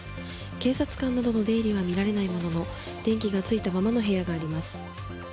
警察官などの出入りは見られないものの電気がついたままの部屋があります。